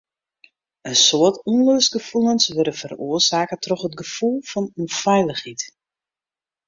In soad ûnlustgefoelens wurde feroarsake troch it gefoel fan ûnfeilichheid.